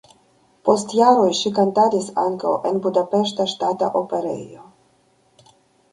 Post jaroj ŝi kantadis ankaŭ en Budapeŝta Ŝtata Operejo.